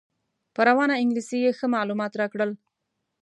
په روانه انګلیسي یې ښه معلومات راکړل.